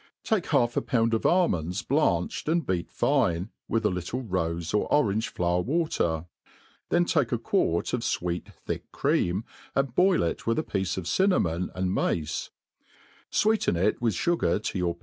TAKE half a pound of almonds b]anched and beat fme^ with a little rofe or orange* flower, water ; then take a quart of^ fweet thick cream, and boil it with a piece of cinnamon and mace ; ftveecen it with fugar to your